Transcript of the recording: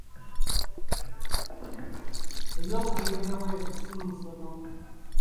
Eby'okugenda ebweru si musono